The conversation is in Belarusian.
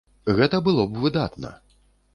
Гэта было б выдатна.